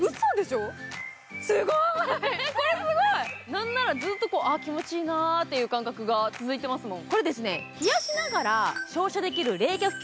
何なら、ずっと、気持ちいいなという感覚が続いてますもん。